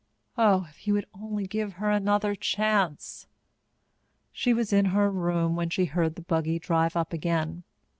Oh, if he would only give her another chance! She was in her room when she heard the buggy drive up again.